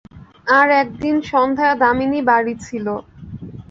আর-একদিন সন্ধ্যার সময় দামিনী বাড়ি ছিল।